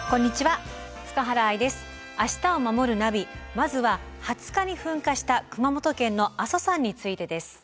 まずは２０日に噴火した熊本県の阿蘇山についてです。